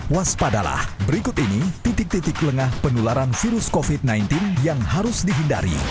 waspadalah berikut ini titik titik lengah penularan virus covid sembilan belas yang harus dihindari